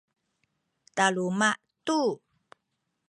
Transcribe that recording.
taluma’ tu